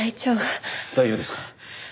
大丈夫ですか？